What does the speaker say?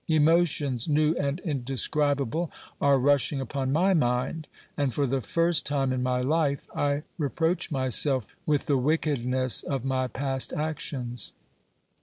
Emotions, new and indescribable, are rushing upon my mind : and, for the first time in my life, I reproach myself with the wickedness of my past actions.